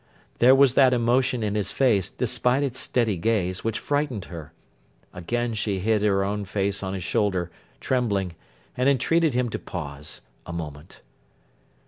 There was that emotion in his face, despite its steady gaze, which frightened her. Again she hid her own face on his shoulder, trembling, and entreated him to pause—a moment.